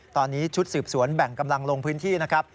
ตอนนี้ชุดสืบสวนแบ่งกำลังลงพื้นที่นะครับ